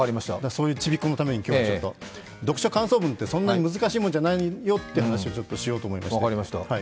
そういうちびっ子のために今日は読書感想文ってそんなに難しいもんじゃないよっていう話をしようと思いまして。